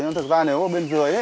nhưng thật ra nếu bên dưới ấy